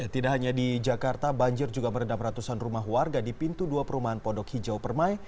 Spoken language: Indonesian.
tidak hanya di jakarta banjir juga merendam ratusan rumah warga di pintu dua perumahan pondok hijau permai